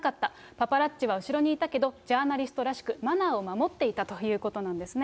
パパラッチは後ろにいたけど、ジャーナリストらしく、マナーを守っていたということなんですね。